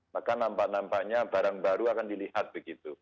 maka nampak nampaknya barang baru akan dilihat begitu